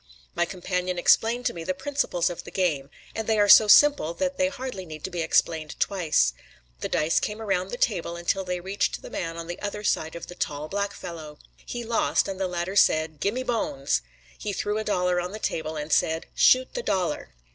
My companion explained to me the principles of the game; and they are so simple that they hardly need to be explained twice. The dice came around the table until they reached the man on the other side of the tall, black fellow. He lost, and the latter said: "Gimme the bones." He threw a dollar on the table and said: "Shoot the dollar."